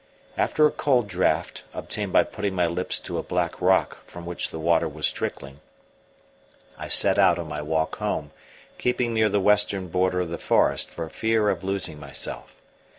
After a cold draught, obtained by putting my lips to a black rock from which the water was trickling, I set out on my walk home, keeping near the western border of the forest for fear of losing myself.